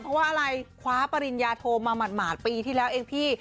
เพราะว่าอะไรคว้าปริญญาโทมาหมาดปีที่แล้วเองพี่